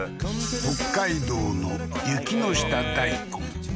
北海道の雪の下大根